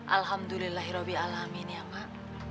alhamdulillah irobi alamin ya mak